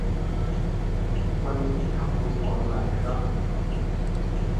วันนี้ทำบุญออนไลน์ครับ